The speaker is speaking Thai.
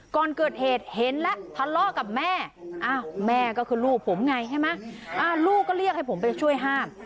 ก่อนเกิดเหตุเห็นแล้วทะเลาะกับแม่แม่ก็คือลูกผมไงใช่ไหมลูกก็เรียกให้ผมไปช่วยห้าม